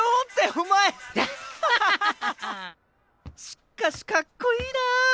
しっかしかっこいいな。